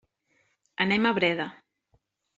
Anem a Breda.